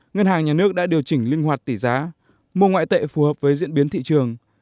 ngân hàng nhà nước đã điều chỉnh linh hoạt tỷ giá mua ngoại tệ phù hợp với diễn biến thị trường